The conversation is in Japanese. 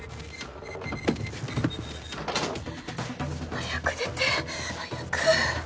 早く出て早く。